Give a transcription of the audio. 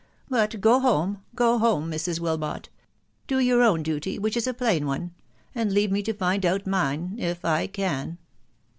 ... But go home, go homet Mrs. Wilmot. Do your own duty, which is a plain one, ... and leave me to find out mine, if I can."